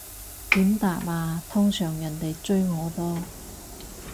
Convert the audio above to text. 點答啊，通常人哋追我多